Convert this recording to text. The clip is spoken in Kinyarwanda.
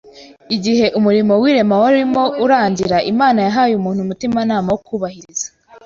igihe umurimo w’irema warimo urangira, Imana yahaye umuntu umutimanama wo kubahiriza